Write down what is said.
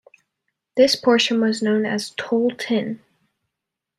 This portion was known as toll tin.